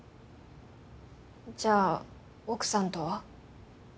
じゃあ奥さんとは？